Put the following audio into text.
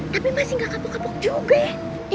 tapi masih gak kapok kapok juga ya